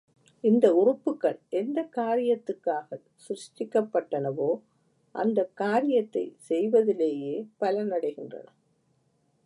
இந்த உறுப்புக்கள் எந்தக் காரியத்துக்காகச் சிருஷ்டிக்கப்பட்டனவோ அந்தக் காரியத்தைச் செய்வதிலேயே பலனடைகின்றன.